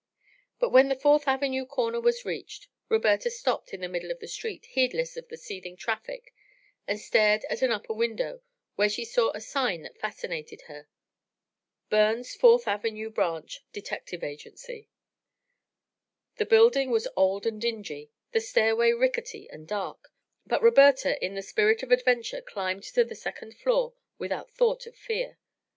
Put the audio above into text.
But, when the Fourth Avenue corner was reached, Roberta stopped in the middle of the street heedless of the seething traffic and stared at an upper window where she saw a sign that fascinated her: BURNS FOURTH AVENUE BRANCH DETECTIVE AGENCY The building was old and dingy, the stairway rickety and dark, but Roberta in the spirit of adventure climbed to the second floor without a thought of fear.